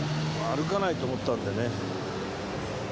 歩かないと思ったんでね。